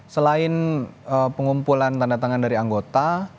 selain pengumpulan tanda tangan dari anggota